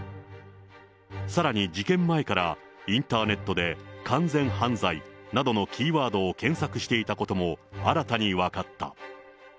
さらに事件前からインターネットで、完全犯罪などのキーワードを検索していたことも新たに分かった。